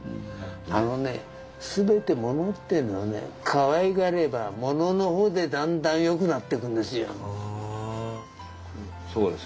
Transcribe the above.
あのねすべて物っていうのはねかわいがれば物のほうでだんだんよくなってくるんですよ。